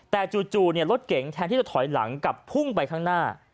แต่จู่รถเก๋งแทนที่จะถอยหลังกลับพุ่งไปข้างหน้า